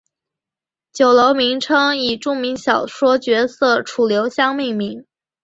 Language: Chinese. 酒楼名称以著名小说角色楚留香命名。